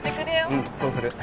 うんそうする。